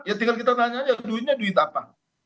ya tinggal kita nanya aja duitnya duit apa